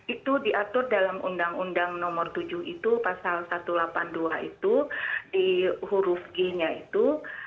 itu diatur dalam undang undang nomor tujuh itu pasal satu ratus delapan puluh dua itu di huruf g nya itu